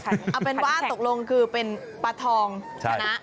เอาเป็นว่าตกลงเป็นปัตท์ทองชนะ